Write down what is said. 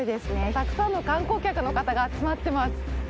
たくさんの観光客の方が集まってます